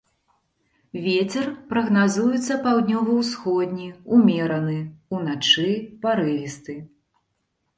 Вецер прагназуецца паўднёва-ўсходні ўмераны, уначы парывісты.